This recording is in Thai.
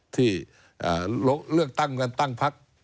ที่เลือกตั้งการตั้งภักดิ์